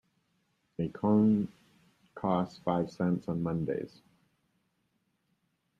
A cone costs five cents on Mondays.